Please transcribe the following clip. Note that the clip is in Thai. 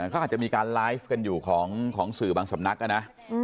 เขาอาจจะมีการไลฟ์กันอยู่ของสื่อบางสำนักนะ